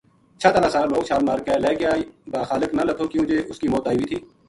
چھَت ہالا سارا لوک چھال مار کے لہہ گیا با خالق نہ لَتھو کیوں جے اس کی موت آئی وی تھی